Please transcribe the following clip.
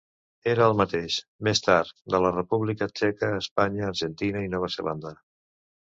Era el mateix, més tard, de la República Txeca, Espanya, Argentina i Nova Zelanda.